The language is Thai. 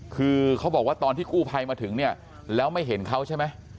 คือเขาบอกว่าตอนที่กู้ภัยมาถึงเนี่ยแล้วไม่เห็นเขาใช่ไหม